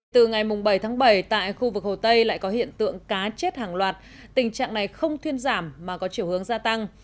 từ ngày bảy tháng bảy tại khu vực hồ tây lại có hiện tượng cá chết hàng loạt tình trạng này không thuyên giảm mà có chiều hướng gia tăng